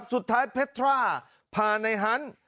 สุดท้ายเพชรร่าพาในฮันต์